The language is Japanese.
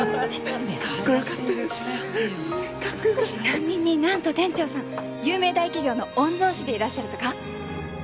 ちなみになんと店長さん有名大企業の御曹司でいらっしゃるとか？